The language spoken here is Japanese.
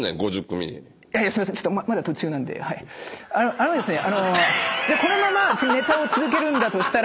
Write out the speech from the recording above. あのですね。